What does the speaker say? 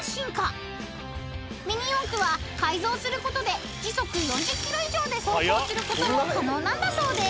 ［ミニ四駆は改造することで時速４０キロ以上で走行することも可能なんだそうです］